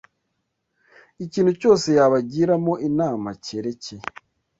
Ikintu cyose yabagiramo inama cyerekeye